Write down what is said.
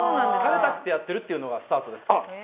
好かれたくてやってるっていうのがスタートですから。